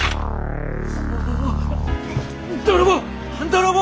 泥棒！